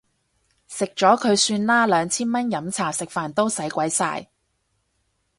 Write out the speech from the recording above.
食咗佢算啦，兩千蚊飲茶食飯都使鬼晒